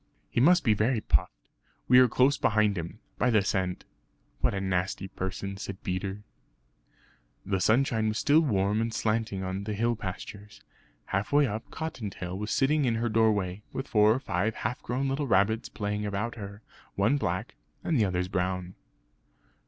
"He must be very puffed; we are close behind him, by the scent. What a nasty person!" said Peter. The sunshine was still warm and slanting on the hill pastures. Half way up, Cottontail was sitting in her doorway, with four or five half grown little rabbits playing about her; one black and the others brown.